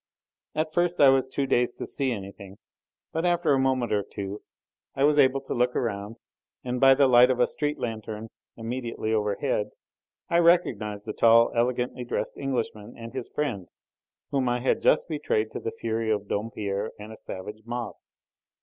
At first I was too dazed to see anything, but after a moment or two I was able to look around me, and, by the light of a street lanthorn immediately overhead, I recognised the tall, elegantly dressed Englishman and his friend, whom I had just betrayed to the fury of Dompierre and a savage mob.